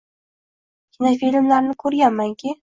kinofilmlarni ko‘rganmanki…